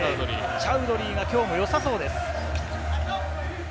チャウドリーが今日もよさそうです。